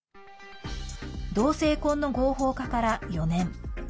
同性婚の合法化から４年。